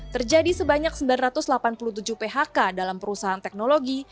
terjadi sebanyak sembilan ratus delapan puluh tujuh phk dalam perusahaan teknologi